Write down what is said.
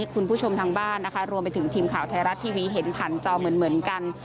คุณผู้ชมทางบ้านนะคะรวมไปถึงทีมข่าวไทยรัฐทีวีเห็นผ่านจอเหมือนกัน